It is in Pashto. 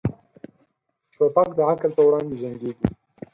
توپک د عقل پر وړاندې جنګيږي.